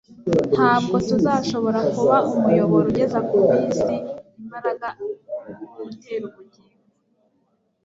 ntabwo tuzashobora kuba umuyoboro ugeza ku b'isi imbaraga itera ubugingo.